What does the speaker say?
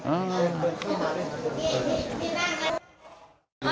อืม